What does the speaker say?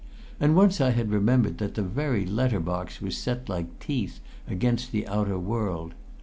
And once I had remembered that the very letter box was set like teeth against the outer world.